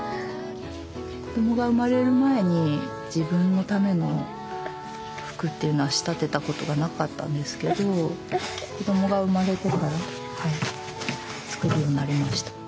子どもが生まれる前に自分のための服っていうのは仕立てたことがなかったんですけど子どもが生まれてから作るようになりました。